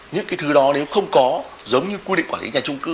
những cái thứ đó nếu không có giống như quy định quản lý nhà trung cư